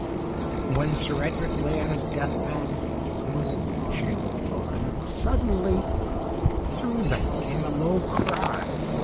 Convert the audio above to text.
When Sir Edric lay on his death bed the windows of the chamber were open, and suddenly thi ough them came a low cry.